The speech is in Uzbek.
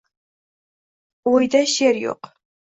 O’yda she’r yo’q